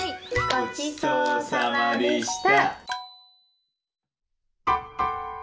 ごちそうさまでした。